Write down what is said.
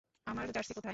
আর সার্সি কোথায়?